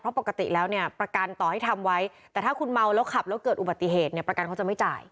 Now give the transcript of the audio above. เพราะปกติแล้วเนี่ยประกันต่อให้ทำไว้แต่ถ้าคุณเมาแล้วขับแล้วเกิดอุบัติเหตุเนี่ยประกันเขาจะไม่จ่าย